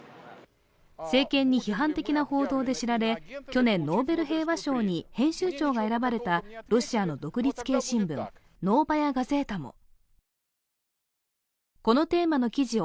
政権に批判的な報道で知られ去年、ノーベル平和賞に編集長が選ばれたロシアの独立系新聞「ノーバヤ・ガゼータ」も。